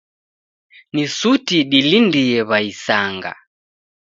Ni suti dilindie w'aisanga.